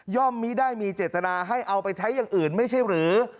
ไม่ได้มีเจตนาให้เอาไปใช้อย่างอื่นไม่ใช่หรือ